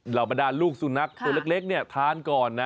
เหล่าประดานลูกสูนักตัวเล็กทานก่อนนะ